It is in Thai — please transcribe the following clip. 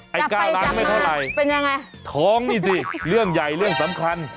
๙ล้านไม่เท่าไรเป็นอย่างไรจับไปจำมาท้องนี่สิเรื่องใหญ่เรื่องสำคัญ